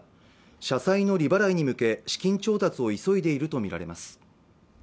社債の利払いに向け資金調達を急いでいると見られます